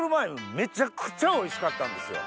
めちゃくちゃおいしかったんですよ。